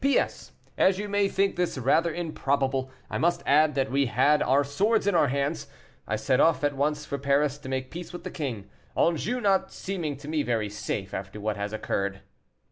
"P. S. As you may think this rather improbable, I must add that we had our swords in our hands. I set off at once for Paris to make peace with the king, Anjou not seeming to me very safe after what has occurred."